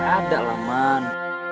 ada lah man